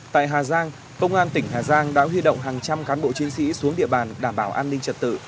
tại hà giang công an tỉnh hà giang đã huy động hàng trăm cán bộ chiến sĩ xuống địa bàn đảm bảo an ninh trật tự